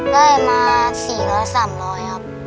ได้มาสี่ละสามร้อยครับ